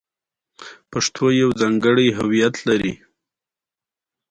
پانګوال باید یو بل ډول ځانګړی توکی هم وپېري